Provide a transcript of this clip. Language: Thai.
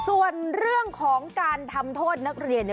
ส่วนเรื่องของการทำโทษนักเรียนเนี่ย